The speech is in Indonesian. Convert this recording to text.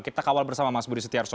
kita kawal bersama mas budi setiarso